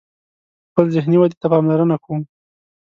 خپلی ذهنی ودي ته پاملرنه کوم